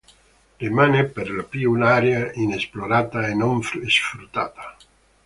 Rimane per lo più un'area inesplorata e non sfruttata.